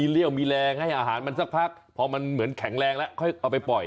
สิน่าจะพื้นพูตตัวเองได้แหละ